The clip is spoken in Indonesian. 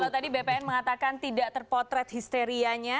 kalau tadi bpn mengatakan tidak terpotret histerianya